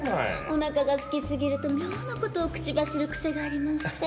おなかがすきすぎると妙な事を口走る癖がありまして。